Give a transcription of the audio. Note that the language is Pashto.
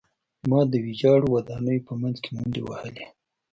ما د ویجاړو ودانیو په منځ کې منډې وهلې